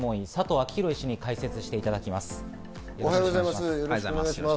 よろしくお願いします。